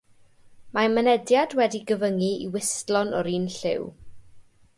Mae mynediad wedi'i gyfyngu i wystlon o'r un lliw.